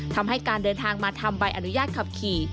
ทำให้การเดินทางมาทำใบอนุญาตขับขี่